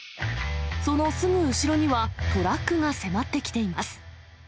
そのすぐ後ろにはトラックが迫ってきています。